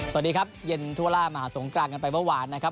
สวัสดีครับเย็นทั่วล่ามหาสงกรานกันไปเมื่อวานนะครับ